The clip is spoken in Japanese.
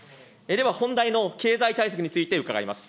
では本題の経済対策について伺います。